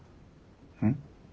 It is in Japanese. うん？